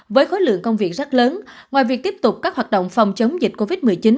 với khối lượng công việc rất lớn ngoài việc tiếp tục các hoạt động phòng chống dịch covid một mươi chín